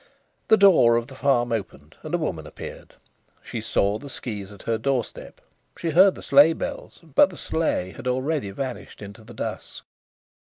The door of the farm opened and a woman appeared. She saw the skis at her doorstep. She heard the sleigh bells, but the sleigh had already vanished into the dusk.